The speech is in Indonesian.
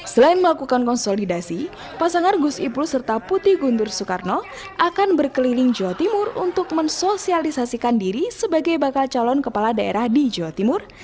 selain melakukan konsolidasi pasangan gus ipul serta putih guntur soekarno akan berkeliling jawa timur untuk mensosialisasikan diri sebagai bakal calon kepala daerah di jawa timur